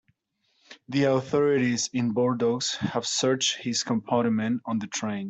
The authorities in Bordeaux have searched his compartment on the train.